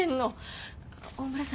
大村さん